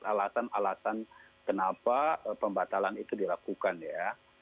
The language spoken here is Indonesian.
alasan alasan kenapa pembatalan itu dilakukan ya